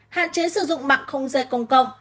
hạn chế sử dụng mạng không dây công công